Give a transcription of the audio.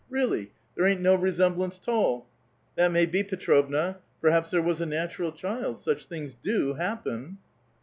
Really, there ain't no resemblance *tall." *'That may be, Petrovna; perhaps there was a natural ohild. Such things do happen."